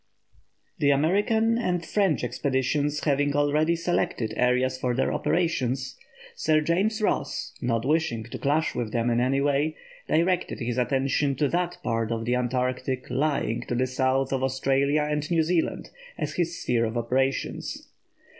The American and French expeditions having already selected areas for their operations, Sir James Ross, not wishing to clash with them in any way, directed his attention to that part of the Antarctic lying to the south of Australia and New Zealand as his sphere of operations.